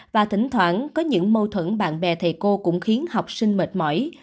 và thỉnh thoảng có những mâu thuẫn bạn bè thầy cô cũng khiến học sinh mệt mỏi